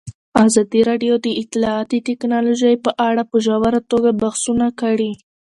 ازادي راډیو د اطلاعاتی تکنالوژي په اړه په ژوره توګه بحثونه کړي.